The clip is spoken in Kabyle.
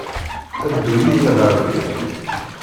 Ddu yid-i ɣer din.